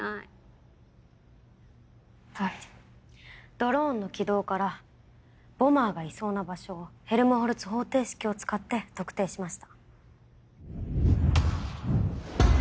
ドローンの軌道からボマーがいそうな場所をヘルムホルツ方程式を使って特定しました。